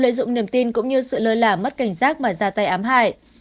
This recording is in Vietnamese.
lợi dụng niềm tin cũng như sự lơ là mất cảnh giác mà ra tay ám hại